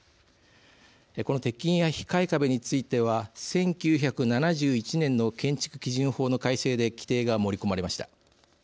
この鉄筋や控え壁については１９７１年の建築基準法の改正で規定が盛り込まれました。